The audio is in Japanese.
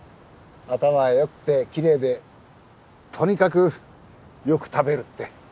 頭が良くて奇麗でとにかくよく食べるって。